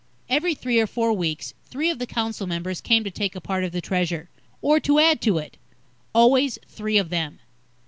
Every three or four weeks, three of the council members came to take a part of the Treasure, or to add to it. Always three of them.